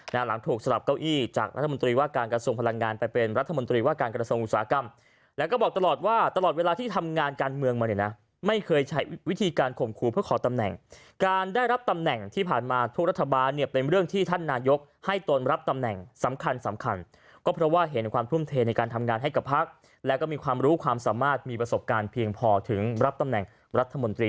การหลังถูกสลับเก้าอี้จากรัฐมนตรีว่าการกระทรวงพลังงานไปเป็นรัฐมนตรีว่าการกระทรวงอุตสาหกรรมแล้วก็บอกตลอดว่าตลอดเวลาที่ทำงานการเมืองมาเนี่ยนะไม่เคยใช้วิธีการข่มครูเพื่อขอตำแหน่งการได้รับตำแหน่งที่ผ่านมาทุกรัฐบาลเนี่ยเป็นเรื่องที่ท่านนายกให้ต้นรับตำแหน่งสำคัญสำคัญก็เพราะ